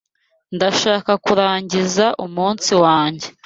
Ndashaka kurangiza umunsi wanjye